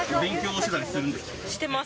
してます。